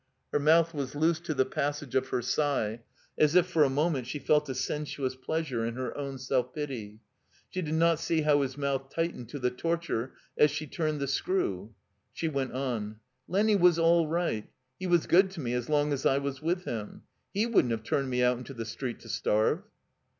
Her mouth was loose to the passage of her sigh, as if for a moment she felt a sensuous pleasure in her own self pity. She did not see how his mouth tightened to the torture as she turned the screw. She went on. Lenny was all right. He was good to me as long as I was with him. He wouldn't have turned me into the street to starve."